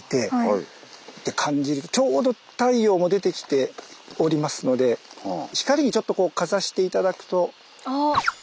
ちょうど太陽も出てきておりますので光にちょっとかざして頂くと。